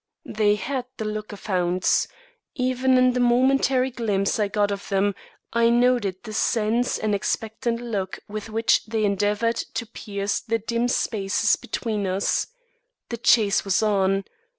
They had the look of hounds. Even in the momentary glimpse I got of them, I noted the tense and expectant look with which they endeavoured to pierce the dim spaces between us. The chase was on.